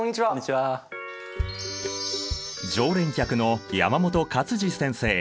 常連客の山本勝治先生。